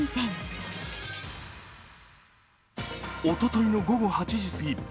おとといの午後８時すぎ